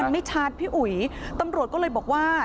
ไม่ชัดพี่อุ๋ยตำรวจก็เลยบอกว่า